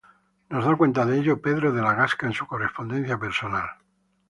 Nos da cuenta de ello Pedro de la Gasca en su correspondencia personal.